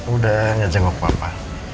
udah nyajenguk papa